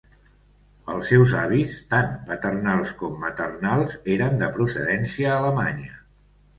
Els seus avis, tant paternals com maternals, eren de procedència alemanya.